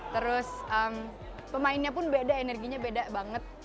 terus pemainnya pun beda energinya beda banget